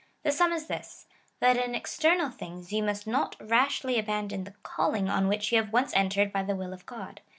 The sum is this, that in external things you must not rashly abandon the calling on which you have once entered by the will of God.